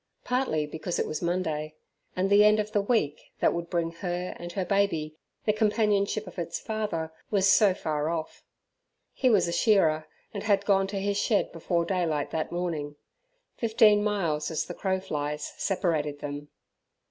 Partly because it was Monday, and the end of the week that would bring her and baby the companionship of its father, was so far off. He was a shearer, and had gone to his shed before daylight that morning. Fifteen miles as the crow flies separated them.